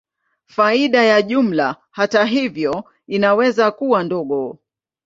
Faida ya jumla, hata hivyo, inaweza kuwa ndogo.